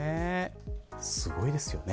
すごいですよね